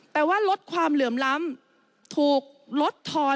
แต่ว่าลดความเหลื่อมล้ำถูกลดทอน